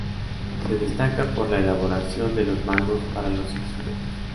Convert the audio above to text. Se destaca por la elaboración de los mangos para los instrumentos.